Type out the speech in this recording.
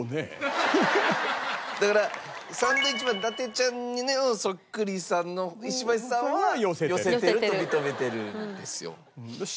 だからサンドウィッチマン伊達ちゃんのそっくりさんの石橋さんは寄せてると認めてるんですよ。